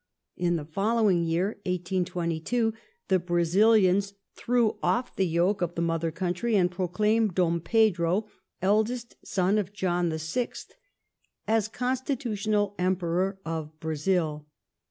In the following year (1822) the Brazilians threw off" the yoke of the mother country, and proclaimed Dom Pedro, eldest son of John VI., as Constitutional Emperor of Brazil.